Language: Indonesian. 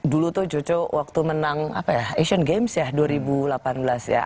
dulu tuh jojo waktu menang asian games ya dua ribu delapan belas ya